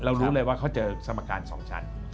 รู้เลยว่าเขาเจอสมการ๒ชั้น